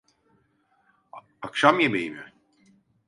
Akşam yemeği mi?